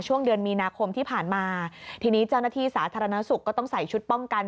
ช่วงเดือนมีนาคมที่ผ่านมาทีนี้เจ้าหน้าที่สาธารณสุขก็ต้องใส่ชุดป้องกัน